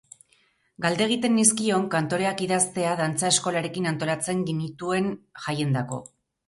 Galdegiten nizkion kantoreak idaztea dantza eskolarekin antolatzen ginituen jaiendako.